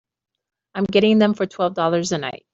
I'm getting them for twelve dollars a night.